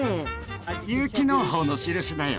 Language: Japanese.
有機農法の印だよ。